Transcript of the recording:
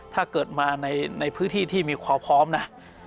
ถ้าเกิดมาในพื้นที่ที่มีความพร้อมนะ